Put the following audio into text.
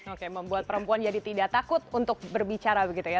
oke membuat perempuan jadi tidak takut untuk berbicara begitu ya